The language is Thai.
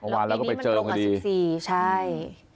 อ๋อวานแล้วก็ไปเจอกันดีหลังจากนี้มันรกกว่าสิบสี่ใช่